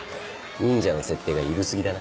忍者の設定が緩過ぎだな。